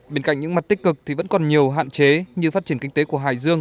bên cạnh những mặt tích cực thì vẫn còn nhiều hạn chế như phát triển kinh tế của hải dương